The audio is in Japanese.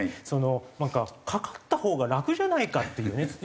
そのなんかかかったほうが楽じゃないかっていうね。